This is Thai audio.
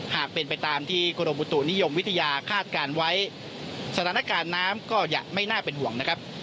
หากเป็นไปตามที่กรมอุตุนิยมวิทยาคาดการณ์ไว้สถานการณ์น้ำก็จะไม่น่าเป็นห่วงนะครับ